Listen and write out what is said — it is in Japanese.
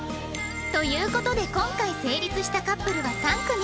という事で今回成立したカップルは３組